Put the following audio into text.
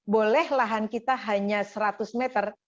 boleh lahan kita hanya seratus meter